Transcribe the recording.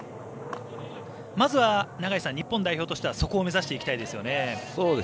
まずは、日本代表としてはそこを目指していきたいですよね。